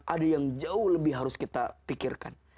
ada yang jauh lebih harus kita pikirkan